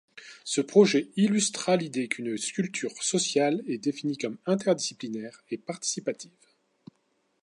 Ce projet illustra l'idée qu'une sculpture sociale est définie comme interdisciplinaire et participative.